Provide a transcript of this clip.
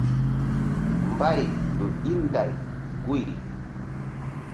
Mbay ƴo í nday guy.